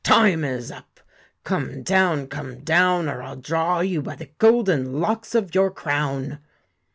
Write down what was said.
'Time is up, come down, come down, or I '11 draw you by the golden locks of your crown.'